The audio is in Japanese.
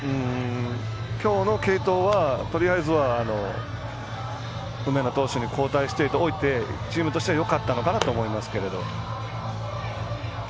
きょうの継投はとりあえずは梅野投手に交代しておいてチームとしてはよかったのかなと思いますけど。